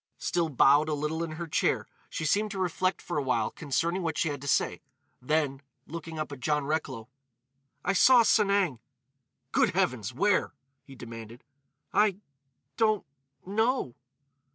Still bowed a little in her chair, she seemed to reflect for a while concerning what she had to say; then, looking up at John Recklow: "I saw Sanang." "Good heavens! Where?" he demanded. "I—don't—know."